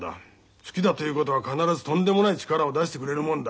好きだということは必ずとんでもない力を出してくれるもんだよ。